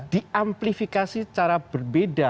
diamplifikasi secara berbeda